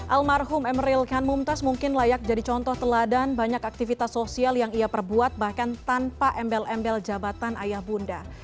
almarhum emeril khan mumtas mungkin layak jadi contoh teladan banyak aktivitas sosial yang ia perbuat bahkan tanpa embel embel jabatan ayah bunda